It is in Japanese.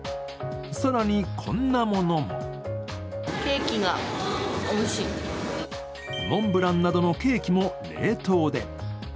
更に、こんなものもモンブランなどのケーキも冷凍で。